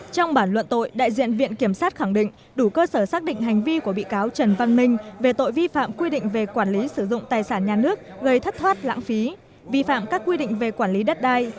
trong bản luận tội đại diện viện kiểm sát khẳng định đủ cơ sở xác định hành vi của bị cáo trần văn minh về tội vi phạm quy định về quản lý sử dụng tài sản nhà nước gây thất thoát lãng phí vi phạm các quy định về quản lý đất đai